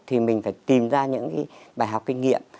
thì mình phải tìm ra những cái bài học kinh nghiệm